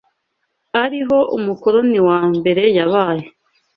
ari ho umukoloni wa mbere yabaye